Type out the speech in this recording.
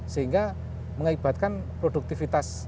sehingga mengibatkan produktivitas